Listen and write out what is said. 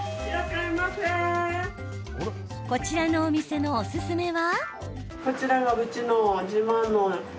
こちらのお店のおすすめは？